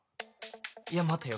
いや待てよ